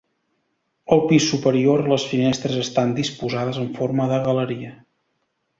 Al pis superior les finestres estan disposades en forma de galeria.